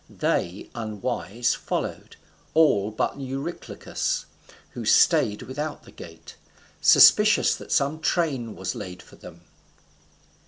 They unwise followed, all but Eurylochus, who stayed without the gate, suspicious that some train was laid for them.